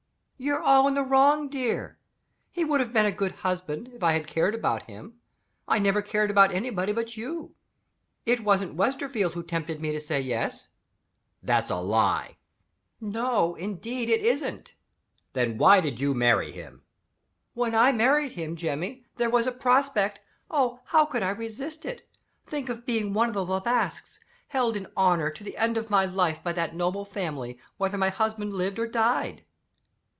"You're all in the wrong, dear. He would have been a good husband if I had cared about him. I never cared about anybody but you. It wasn't Westerfield who tempted me to say Yes." "That's a lie." "No, indeed it isn't." "Then why did you marry him?" "When I married him, Jemmy, there was a prospect oh, how could I resist it? Think of being one of the Le Basques! Held in honor, to the end of my life, by that noble family, whether my husband lived or died!"